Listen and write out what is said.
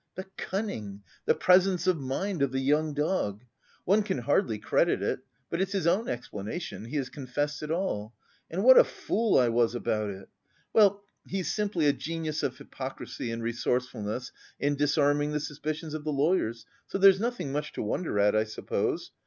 The cunning, the presence of mind of the young dog! One can hardly credit it; but it's his own explanation, he has confessed it all. And what a fool I was about it! Well, he's simply a genius of hypocrisy and resourcefulness in disarming the suspicions of the lawyers so there's nothing much to wonder at, I suppose!